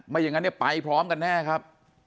อย่างนั้นเนี่ยไปพร้อมกันแน่ครับ